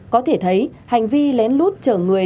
có thể thấy hành vi lén lút trở người